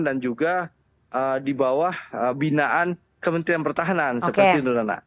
dan juga di bawah binaan kementerian pertahanan seperti itu nanda